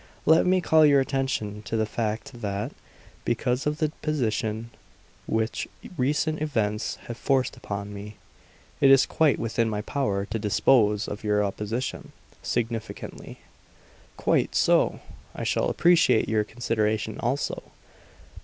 "Let me call your attention to the fact that, because of the position which recent events have forced upon me, it is quite within my power to dispose of your opposition" significantly. "Quite so! I shall appreciate your consideration also."